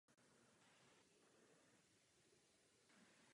Zaútočí na Dibalovy stráže.